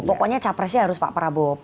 pokoknya capresnya harus pak prabowo